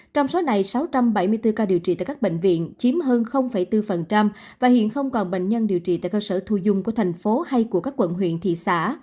trong số này sáu trăm bảy mươi bốn ca điều trị tại các bệnh viện chiếm hơn bốn và hiện không còn bệnh nhân điều trị tại cơ sở thu dung của thành phố hay của các quận huyện thị xã